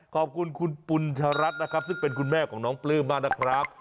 ขอบคุณคุณปุญชรัฐนะครับซึ่งเป็นคุณแม่ของน้องปลื้มมากนะครับ